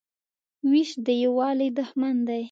وېش د یووالي دښمن دی.